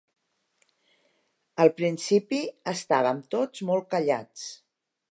Al principi, estàvem tots molt callats.